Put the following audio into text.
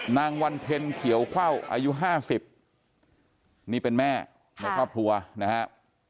นางวันเพ็ญเขียวเข้าอายุ๕๐นี่เป็นแม่ในครอบครัวนะครับ